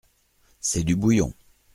C’est du bouillon.